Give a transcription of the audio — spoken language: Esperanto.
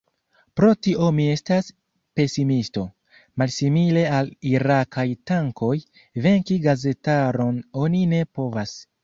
Pro tio mi estas pesimisto: malsimile al irakaj tankoj, venki gazetaron oni ne povas.